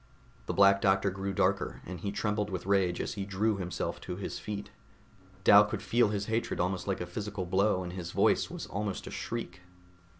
The Black Doctor grew darker, and he trembled with rage as he drew himself to his feet. Dal could feel his hatred almost like a physical blow and his voice was almost a shriek.